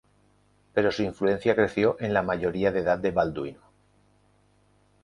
Pero su influencia creció en la mayoría de edad de Balduino.